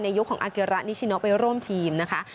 ยุคของอาเกระนิชิโนไปร่วมทีมนะคะ